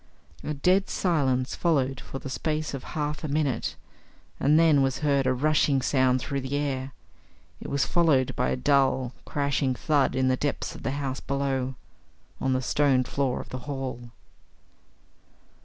A dead silence followed for the space of half a minute, and then was heard a rushing sound through the air. It was followed by a dull, crashing thud in the depths of the house below on the stone floor of the hall.